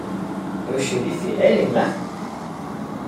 É o xerife Helen lá?